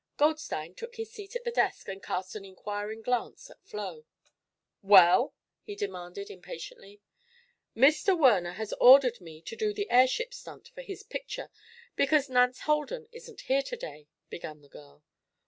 Goldstein took his seat at the desk and cast an inquiring glance at Flo. "Well?" he demanded, impatiently. "Mr. Werner has ordered me to do the airship stunt for his picture, because Nance Holden isn't here to day," began the girl.